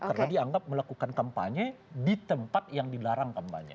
karena dianggap melakukan kampanye di tempat yang dilarang kampanye